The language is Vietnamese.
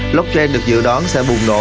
blockchain được dự đoán sẽ bùng nổ